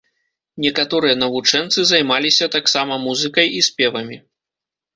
Некаторыя навучэнцы займаліся таксама музыкай і спевамі.